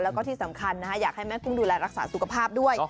แล้วก็ที่สำคัญอยากให้แม่กุ้งดูแลรักษาสุขภาพด้วย